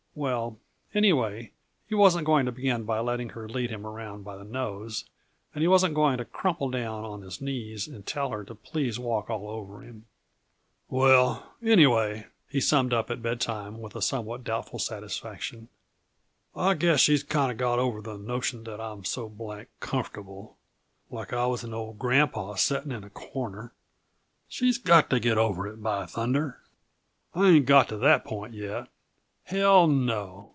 Well, anyway, he wasn't going to begin by letting her lead him around by the nose, and he wasn't going to crumple down on his knees and tell her to please walk all over him. "Well, anyway," he summed up at bedtime with a somewhat doubtful satisfaction, "I guess she's kinda got over the notion that I'm so blame comfortable like I was an old grandpa setting in the corner. She's got to get over it, by thunder! I ain't got to that point yet; hell, no!